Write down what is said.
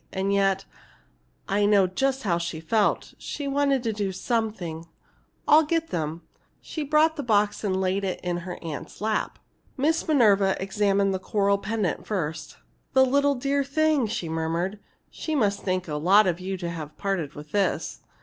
And yet I know just how she felt she wanted to do something! I'll get them." She brought the box and laid it in her aunt's lap. Miss Minerva examined the coral pendant first. "The dear little thing!" she murmured. "She must think a lot of you to have parted with this!"